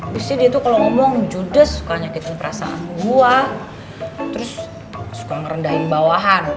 bisa dia tuh kalau ngomong juda suka nyakitin perasaan gua terus suka merendahin bawahan